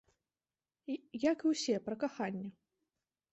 Як і ўсе, пра каханне!